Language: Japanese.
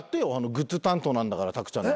グッズ担当なんだから卓ちゃんは。